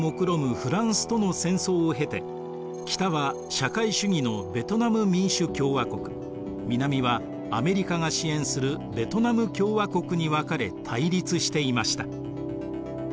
フランスとの戦争を経て北は社会主義のベトナム民主共和国南はアメリカが支援するベトナム共和国に分かれ対立していました。